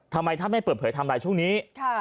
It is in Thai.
ทำไมท่านไม่เปิดเผยไทม์ไลน์ช่วงนี้